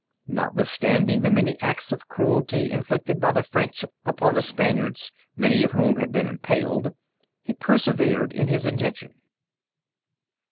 Notwithstanding the many acts of cruelty inflicted by the French upon the Spaniards, many of whom had been impaled, he persevered in his intention.